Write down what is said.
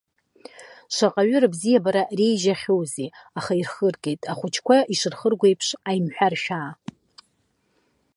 Шаҟаҩы рыбзиабара реижьахьоузеи, аха ирхыргеит, ахәыҷқәа ишырхырго еиԥш аимҳәаршәаа.